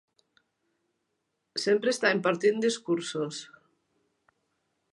Sempre està impartint discursos.